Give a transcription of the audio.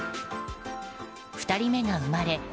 ２人目が生まれ